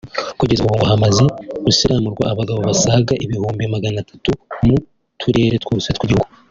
Kugeza ubu ngo hamaze gusiramurwa abagabo basaga ibihumbi magana atatu mu turere twose tw’igihugu